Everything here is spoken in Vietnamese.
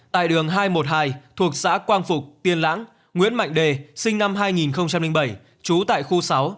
tại đường hai trăm một mươi hai thuộc xã quang phục tiên lãng nguyễn mạnh đề sinh năm hai nghìn bảy trú tại khu sáu